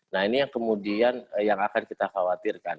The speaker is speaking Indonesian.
nah ini yang kemudian yang akan kita khawatirkan